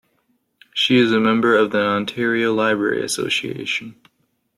She is a member of the Ontario Library Association.